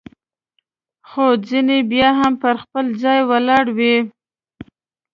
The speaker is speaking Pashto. خو ځیني بیا هم پر خپل ځای ولاړ وي.